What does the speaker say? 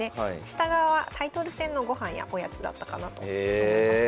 下側はタイトル戦の御飯やおやつだったかなと思います。